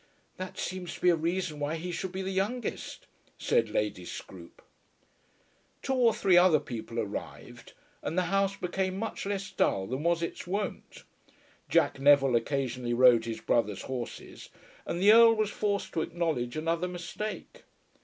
"That seems to be a reason why he should be the youngest," said Lady Scroope. Two or three other people arrived, and the house became much less dull than was its wont. Jack Neville occasionally rode his brother's horses, and the Earl was forced to acknowledge another mistake.